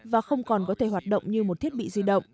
và không còn có thể hoạt động